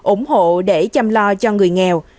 ủng hộ để chăm lo cho người nghèo